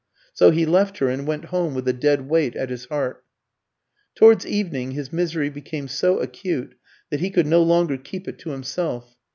So he left her, and went home with a dead weight at his heart. Towards evening his misery became so acute that he could no longer keep it to himself.